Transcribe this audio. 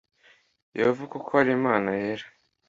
yehova kuko ari imana yera